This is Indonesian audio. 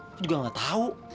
aku juga ga tau